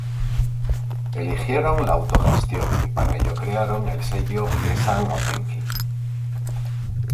Eligieron la autogestión y para ello crearon el sello Esan Ozenki.